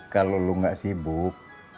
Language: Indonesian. kalau lo gak sibuk